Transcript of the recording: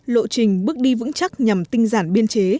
lộ trình bước đi vững chắc nhằm tinh giản biên chế